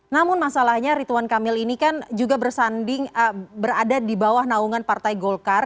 namun masalahnya rituan kamil ini kan juga bersanding berada di bawah naungan partai golkar